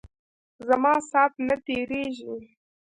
زما سات نه تیریژی.